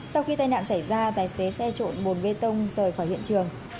sau khi tai nạn xảy ra tài xế xe trộn bồn bê tông rời khỏi hiện trường